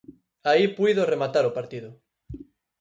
Aí puido rematar o partido.